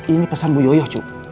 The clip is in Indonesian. ini pesan bu yoyo cuk